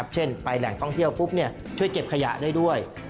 เช่นไปแหล่งท่องเที่ยวปุ๊บช่วยเก็บขยะได้ด้วย